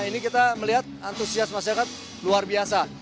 ini kita melihat antusias masyarakat luar biasa